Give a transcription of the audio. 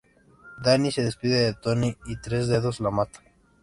Danny se despide de Toni y Tres Dedos la mata.